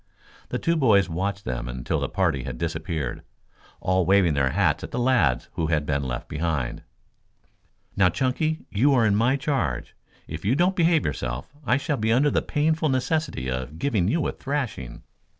The two boys watched them until the party had disappeared, all waving their hats at the lads who had been left behind. "Now, Chunky, you are in my charge. If you don't behave yourself, I shall be under the painful necessity of giving you a thrashing."